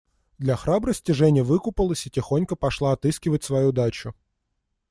Для храбрости Женя выкупалась и тихонько пошла отыскивать свою дачу.